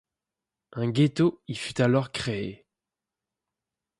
Un ghetto y fut alors créé.